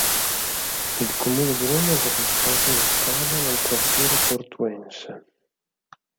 Il Comune di Roma gli ha dedicato una strada nel quartiere Portuense.